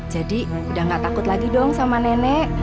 jadi udah nggak takut lagi dong sama nenek